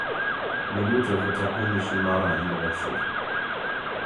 Minute für Takumi Shimada eingewechselt.